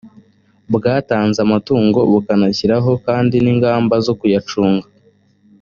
bwatanze amatungo bukanashyiraho kandi n ingamba zo kuyacunga